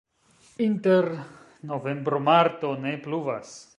Inter novembro-marto ne pluvas.